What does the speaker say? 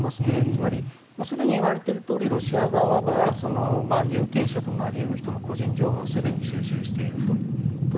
つまりすでに言われているとおりロシア側は有権者となり得る人の個人情報はすでに収集していると。